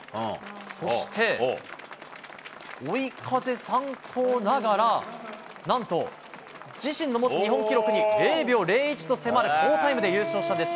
そして、追い風参考ながら、なんと、自身の持つ日本記録に０秒０１と迫る好タイムで優勝したんです。